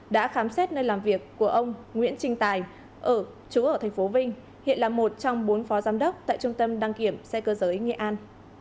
đã khám xét nơi làm việc của ông nguyễn trinh tài ở chú ở tp vinh hiện là một trong bốn phó giám đốc tại trung tâm đăng kiểm xe cơ giới nghệ an